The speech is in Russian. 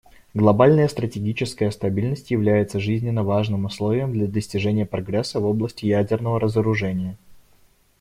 Глобальная стратегическая стабильность является жизненно важным условием для достижения прогресса в области ядерного разоружения.